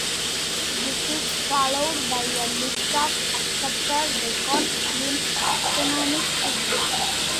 This is followed by a list of accepted records in taxonomic sequence.